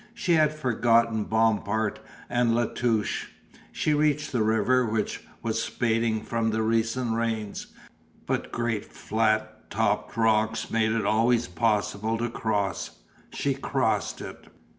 She had forgotten Bompard and La Touche. She reached the river which was spating from the recent rains, but great flat topped rocks made it always possible to cross; she crossed it.